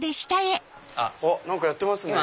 何かやってますね！